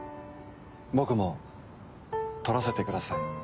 僕も撮らせてください。